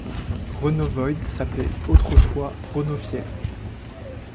Renauvoid s'appelait autrefois Renaufief.